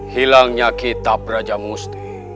hilangnya kitab raja musti